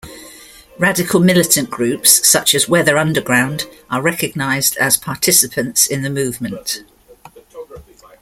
Radical militant groups such as Weather Underground are recognized as participants in the movement.